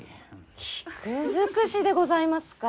菊尽くしでございますか？